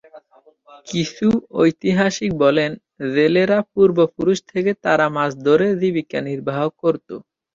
কিছু ঐতিহাসিক বলেন, জেলেরা পূর্বপুরুষ থেকে তারা মাছ ধরে জীবিকা নির্বাহ করত।